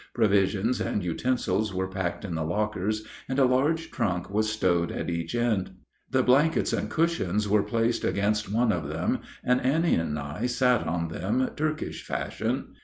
Provisions and utensils were packed in the lockers, and a large trunk was stowed at each end. The blankets and cushions were placed against one of them, and Annie and I sat on them Turkish fashion.